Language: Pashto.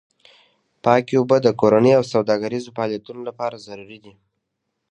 پاکې اوبه د کورنیو او سوداګریزو فعالیتونو لپاره ضروري دي.